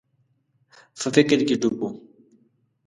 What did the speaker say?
په فکر کي ډوب و.